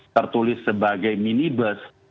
tertulis sebagai minibus